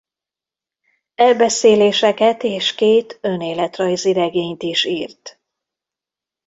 Elbeszéléseket és két önéletrajzi regényt is írt.